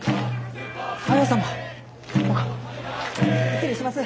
失礼します。